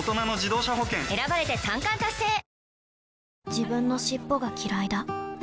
自分の尻尾がきらいだ